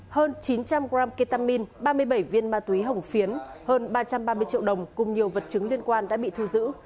hơn chín trăm linh g ketamine ba mươi bảy viên ma túy hồng phiến hơn ba trăm ba mươi triệu đồng cùng nhiều vật chứng liên quan đã bị thu giữ